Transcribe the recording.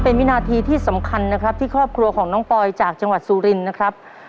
เป็นวินาทีที่สำคัญนะครับที่ครอบครัวของน้องปอยจากจังหวัดสุรินนะครับ